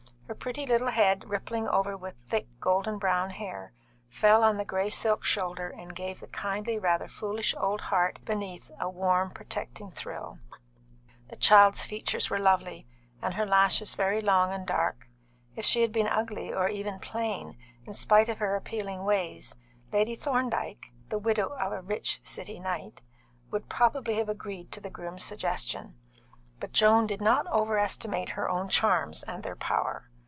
Her pretty little head, rippling over with thick, gold brown hair, fell on the grey silk shoulder and gave the kindly, rather foolish old heart underneath a warm, protecting thrill. The child's features were lovely, and her lashes very long and dark. If she had been ugly, or even plain, in spite of her appealing ways, Lady Thorndyke (the widow of a rich City knight) would probably have agreed to the groom's suggestion; but Joan did not overestimate her own charms and their power.